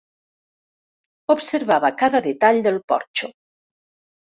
Observava cada detall del porxo.